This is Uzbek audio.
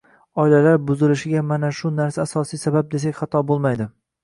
Oilalar buzilishiga mana shu narsa asosiy sabab, desak xato bo‘lmaydi.